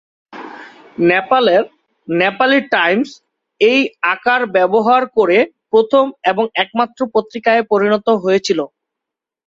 নেপালের, "নেপালি টাইমস" এই আকার ব্যবহার করে প্রথম এবং একমাত্র পত্রিকায় পরিণত হয়েছিল।